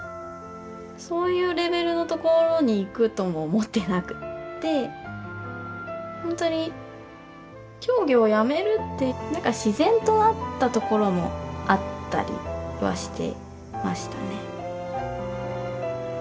そういうレベルのところに行くとも思ってなくって本当に競技をやめるってなんか自然とあったところもあったりはしてましたね。